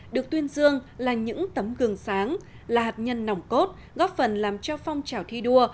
được tuyên dương là những tấm gương sáng là hạt nhân nòng cốt góp phần làm cho phong trào thi đua